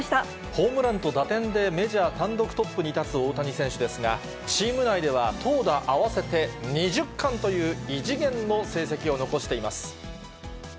ホームランと打点でメジャー単独トップに立つ大谷選手ですが、チーム内では、投打合わせて２０冠という異次元の成績を残しています。